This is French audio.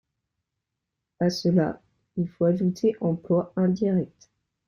À cela, il faut ajouter emplois indirects.